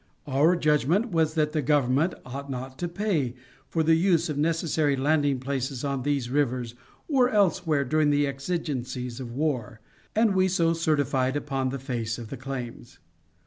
Our judgment was that the Government ought not to pay for the use of necessary landing places on these rivers or elsewhere during the exigencies of the war, and we so certified upon the face of the claims.